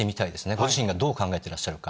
ご自身がどう考えてらっしゃるか。